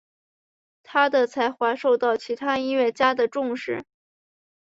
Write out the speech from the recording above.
他的才华受到其他音乐家的重视。